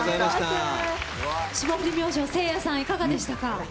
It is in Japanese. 霜降り明星せいやさんいかがでしたか？